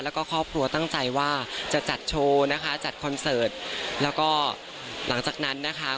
แล้วก็ครอบครัวตั้งใจว่าจะจัดโชว์นะคะจัดคอนเสิร์ตแล้วก็หลังจากนั้นนะคะ